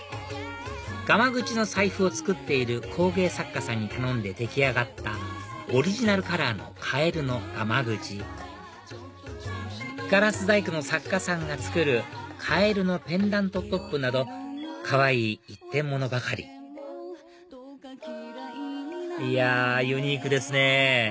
がまぐちの財布を作っている工芸作家さんに頼んで出来上がったオリジナルカラーのカエルのがまぐちガラス細工の作家さんが作るカエルのペンダントトップなどかわいい一点物ばかりいやユニークですね